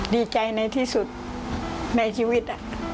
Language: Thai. ดีใจในที่สุดในชีวิต